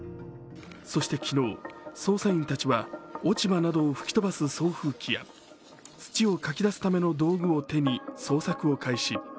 そして昨日、捜査員たちは落ち葉などを吹き飛ばす送風機や土をかき出すための道具を手に、捜索を開始。